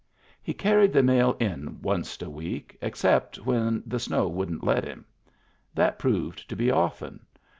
He carried the mail in wunst a week, except when the snow wouldn't let him. That proved to be often.